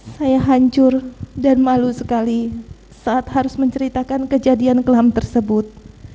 saya hancur dan malu sekali saat harus menceritakan kejadian kelam tersebut